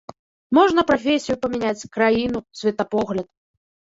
Можна прафесію памяняць, краіну, светапогляд.